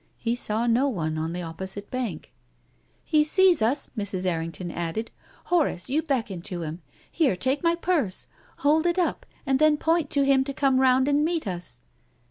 He saw no one on the opposite bank. " He sees us," Mrs. Errington added. " Horace, you beckon to him. Here, take my purse. Hold it up, and then point to him to come round and meet us."